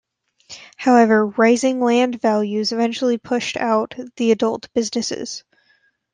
However, rising land values eventually pushed out the adult businesses.